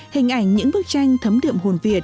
hình ảnh những bức tranh thấm thượng hồn việt